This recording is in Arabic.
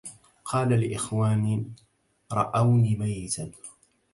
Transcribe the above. قل لإخوان رأوني ميتا